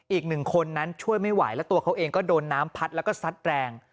อีกหนึ่งคนนั้นช่วยไม่ไหวแล้วตัวเขาเองก็โดนน้ำพัดแล้วก็ซัดแรง